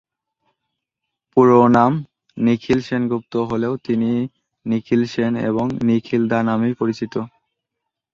পুরো নাম নিখিল সেনগুপ্ত হলেও তিনি নিখিল সেন এবং নিখিল দা নামেই পরিচিত।